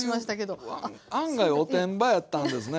そういう案外おてんばやったんですね。